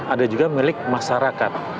ada juga milik masyarakat